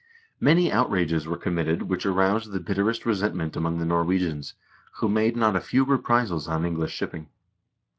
Many outrages were committed which aroused the bitterest resentment among the Nor wegians, who made not a few reprisals on English shipping.